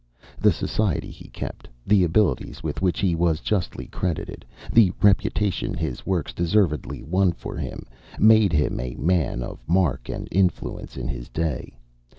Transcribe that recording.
The society he kept, the abilities with which he was justly credited, the reputation his works deservedly won for him, made him a man of mark and influence in his day.